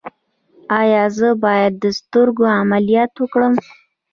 ایا زه باید د سترګو عملیات وکړم؟